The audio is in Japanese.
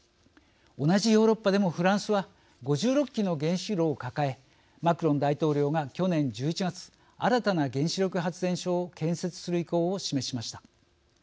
同じヨーロッパでもフランスは５６基の原子炉を抱えマクロン大統領が去年１１月新たな原子力発電所を建設する意向を示しました。